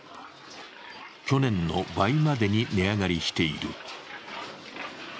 去年の倍までに値上がりしている。